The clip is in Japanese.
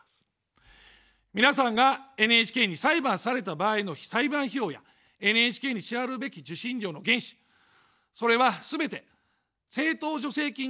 皆さんがＮＨＫに裁判された場合の裁判費用や、ＮＨＫに支払うべき受信料の原資、それはすべて政党助成金から捻出されます。